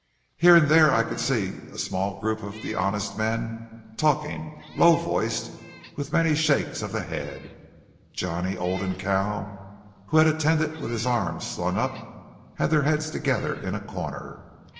Here and there I could see a small group of the honest men talking low voiced, with many shakes of the head. Johnny, Old, and Cal, who had attended with his arm slung up, had their heads together in a corner.